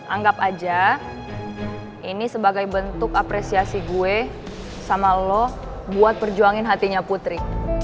anggap aja ini sebagai bentuk apresiasi gue sama lo buat perjuangin hatinya putri